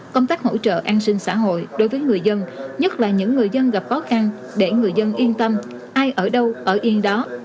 công tác hỗ trợ an sinh xã hội đối với người dân nhất là những người dân gặp khó khăn để người dân yên tâm ai ở đâu ở yên đó